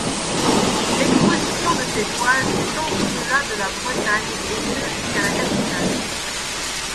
L’exposition de ses toiles s’étend au-delà de Bretagne et ce jusqu’à la capitale.